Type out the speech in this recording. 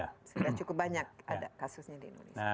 sudah cukup banyak ada kasusnya di indonesia